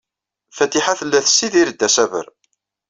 Fatiḥa tella tessidir-d asaber.